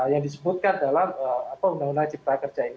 yang disebutkan dalam undang undang cipta kerja ini